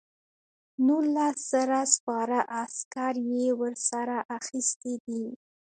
نولس زره سپاره عسکر یې ورسره اخیستي دي.